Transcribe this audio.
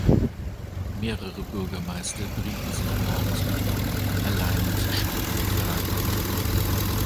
Mehrere Bürgermeister berieten sich morgens mit ihm alleine zu schwierigen Fragen.